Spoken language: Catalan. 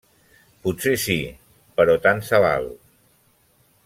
Potser sí, però tant se val.